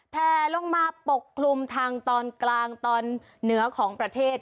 แพลลงมาปกคลุมทางตอนกลางตอนเหนือของประเทศ